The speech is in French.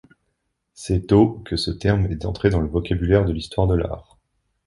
C'est au que ce terme est entré dans le vocabulaire de l'histoire de l'art.